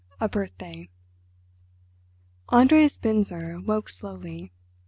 A BIRTHDAY Andreas Binzer woke slowly.